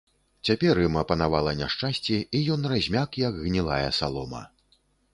Цяпер ім апанавала няшчасце, і ён размяк, як гнілая салома.